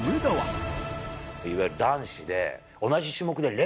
いわゆる男子で同じ種目で連